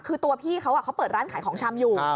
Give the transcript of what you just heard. คือตัวพี่เขาเปิดร้านขายของชำอยู่